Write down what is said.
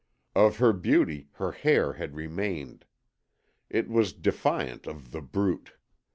Of her beauty her hair had remained. It was defiant of The Brute.